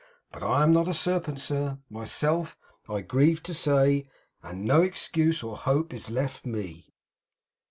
But I am not a Serpent, sir, myself, I grieve to say, and no excuse or hope is left me.